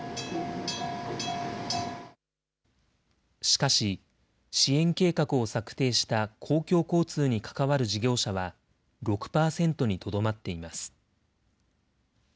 しかし、支援計画を策定した公共交通に関わる事業者は、６％にとどまっています。